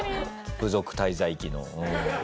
部族滞在記の。